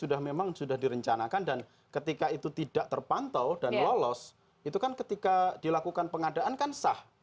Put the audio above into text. jadi ini memang sudah direncanakan dan ketika itu tidak terpantau dan lolos itu kan ketika dilakukan pengadaan kan sah